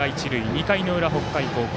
２回の裏、北海高校。